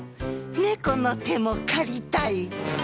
「ねこの手も借りたい」。